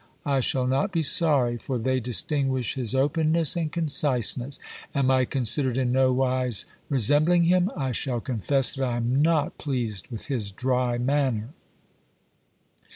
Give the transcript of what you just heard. I shall not be sorry, for they distinguish his openness and conciseness. Am I considered in nowise resembling him? I shall confess that I am not pleased with his dry manner.